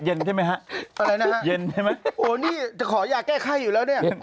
เย็นใช่ไหมฮะเย็นใช่ไหมโหนี่จะขออย่าแก้ไข้อยู่แล้วเนี่ย